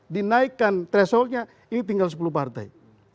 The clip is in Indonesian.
dinaikkan thresholdnya ini tinggal sepuluh partai